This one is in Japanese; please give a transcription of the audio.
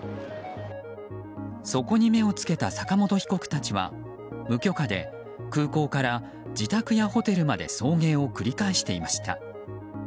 そこに目を付けた坂本被告たちは無許可で空港から自宅やホテルまで送迎を繰り返していました。